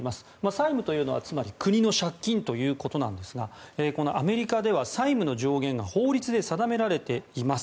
債務というのは、つまり国の借金ということなんですがこのアメリカでは債務の上限が法律で定められています。